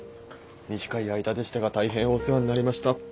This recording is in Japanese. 短い間でしたが大変お世話になりました。